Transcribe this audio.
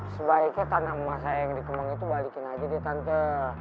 sebaiknya tanah emas saya yang di kemang itu balikin aja di tanah